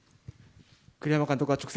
栗山監督は直接、